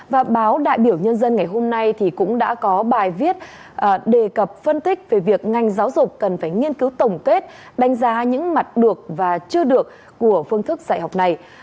và báo đại biểu nhân dân ngày hôm nay cũng đã có bài viết đề cập phân tích về việc ngành giáo dục cần phải nghiên cứu tổng kết đánh giá những mặt được và chưa được của phương thức dạy học này